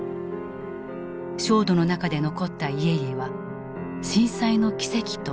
焦土の中で残った家々は「震災の奇跡」と呼ばれた。